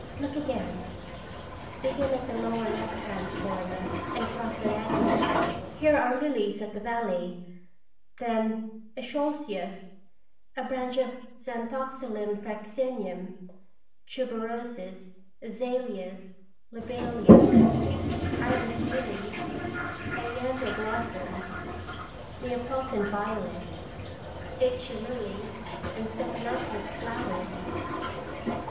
Look again begin at the lower left hand corner and cross diagonally here are lilies of the valley, then eschscholtzias, a branch of xanthoxylum fraxineum, tuberoses, azalias, lobelia, iris lilies, oleander blossoms, Neapolitan violets, ixia lilies, and stephanotis flowers."